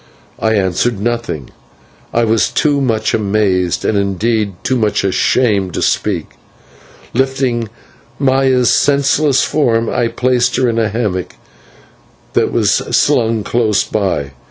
I said nothing. I was too much amazed, and, indeed, too much ashamed, to speak. Lifting Maya's senseless form, I placed her in a hammock that was slung close by.